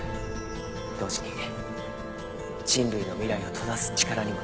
同時に人類の未来を閉ざす力にもなります。